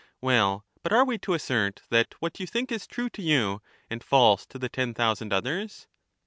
Well, but are we to assert that what you think is true to you and false to the ten thousand others